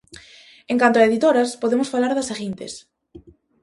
En canto a editoras, podemos falar das seguintes.